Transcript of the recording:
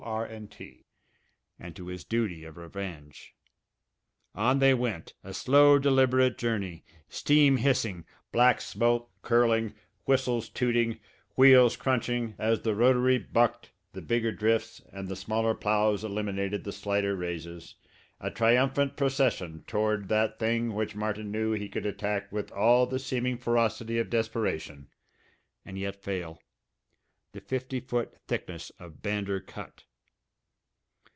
R. & T. and to his duty of revenge. On they went, a slow, deliberate journey, steam hissing, black smoke curling, whistles tooting, wheels crunching, as the rotary bucked the bigger drifts and the smaller ploughs eliminated the slighter raises, a triumphant procession toward that thing which Martin knew he could attack with all the seeming ferocity of desperation and yet fail the fifty foot thickness of Bander Cut.